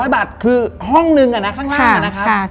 ๘๐๐บาทคือห้องนึงอ่ะนะข้างอ่ะนะคะ